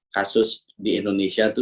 kasus di indonesia itu